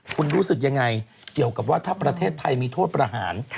คุณรู้สึกยังไงเกี่ยวกับว่าถ้าประเทศไทยมีโทษประหาร